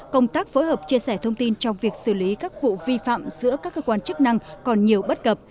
công tác phối hợp chia sẻ thông tin trong việc xử lý các vụ vi phạm giữa các cơ quan chức năng còn nhiều bất cập